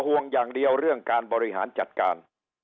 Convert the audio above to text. ห่วงอย่างเดียวเรื่องการบริหารจัดการ